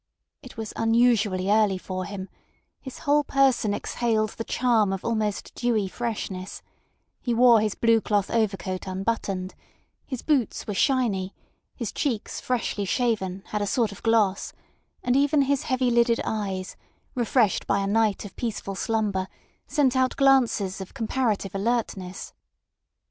It was unusually early for him; his whole person exhaled the charm of almost dewy freshness; he wore his blue cloth overcoat unbuttoned; his boots were shiny; his cheeks, freshly shaven, had a sort of gloss; and even his heavy lidded eyes, refreshed by a night of peaceful slumber, sent out glances of comparative alertness.